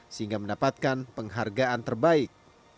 sehingga mendapatkan penghargaan terbaik